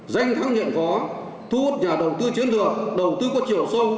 danh thắng nhận có thu hút nhà đầu tư chiến lược đầu tư qua chiều sông